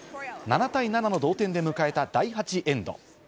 ７対７の同点で迎えた第８エンド。